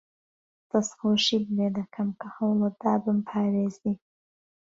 دەستخۆشیت لێ دەکەم کە هەوڵت دا بمپارێزیت.